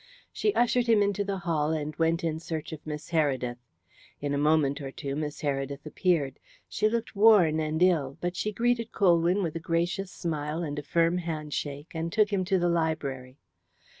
She ushered him into the hall, and went in search of Miss Heredith. In a moment or two Miss Heredith appeared. She looked worn and ill, but she greeted Colwyn with a gracious smile and a firm handshake, and took him to the library.